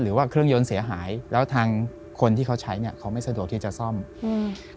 หรือว่าเครื่องยนต์เสียหายแล้วทางคนที่เขาใช้เนี้ยเขาไม่สะดวกที่จะซ่อมอืม